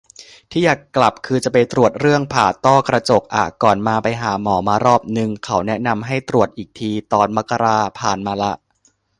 ที่อยากกลับคือจะไปตรวจเรื่องผ่าต้อกระจกอะ ก่อนมาไปหาหมอมารอบนึง เขาแนะนำให้ตรวจอีกทีตอนมกรา ผ่านมาละ